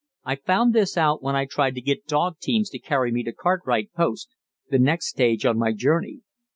I found this out when I tried to get dog teams to carry me to Cartwright Post, the next stage on my journey.